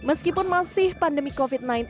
meskipun masih pandemi covid sembilan belas